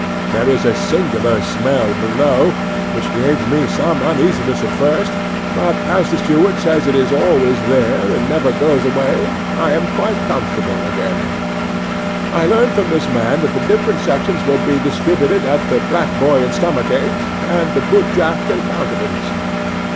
There is a singular smell below, which gave me some uneasiness at first; but as the steward says it is always there, and never goes away, I am quite comfortable again. I learn from this man that the different sections will be distributed at the Black Boy and Stomach ache, and the Boot jack and Countenance.